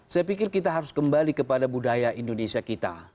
saya pikir kita harus kembali kepada budaya indonesia kita